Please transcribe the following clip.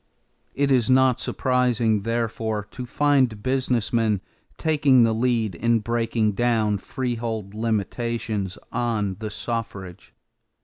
It is not surprising, therefore, to find business men taking the lead in breaking down freehold limitations on the suffrage.